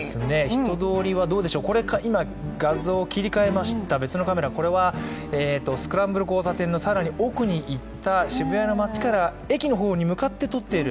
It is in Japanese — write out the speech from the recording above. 人通りはどうでしょう、今画像切り替えました、別のカメラ、これはスクランブル交差点の更に奥に行った渋谷の街から駅の方に向かって撮っている。